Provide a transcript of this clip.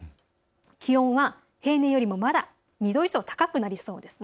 気温は平年よりもまだ２度以上高くなりそうです。